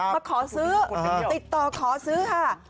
มาขอซื้อติดต่อขอซื้อค่ะ